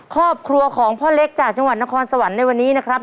ครอบครัวของพ่อเล็กจากจังหวัดนครสวรรค์ในวันนี้นะครับ